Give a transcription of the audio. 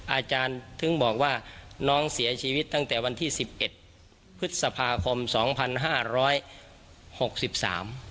อาจารย์ถึงบอกว่าน้องเสียชีวิตตั้งแต่วันที่สิบเอ็ดพฤษภาคมสองพันห้าร้อยหกสิบสาม